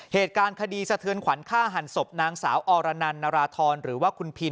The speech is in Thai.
เหตุการณ์คดีสะเทือนขวัญฆ่าหันศพนางสาวอรนันนราธรหรือว่าคุณพิน